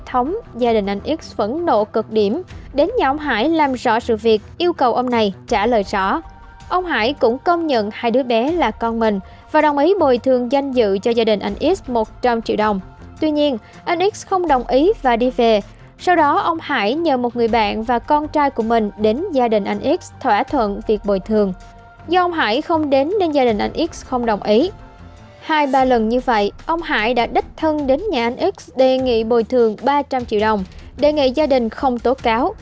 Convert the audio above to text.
hai ba lần như vậy ông hải đã đích thân đến nhà anh x đề nghị bồi thường ba trăm linh triệu đồng đề nghị gia đình không tố cáo